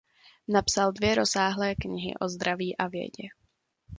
Napsal dvě rozsáhlé knihy o zdraví a vědě.